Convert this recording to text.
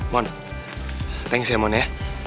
mon thanks ya mon ya